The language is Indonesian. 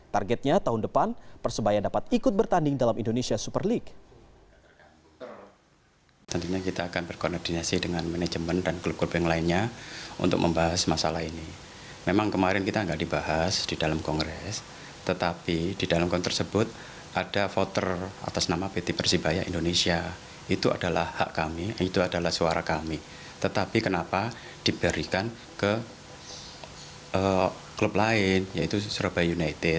targetnya tahun depan persebaya dapat ikut bertanding dalam indonesia super league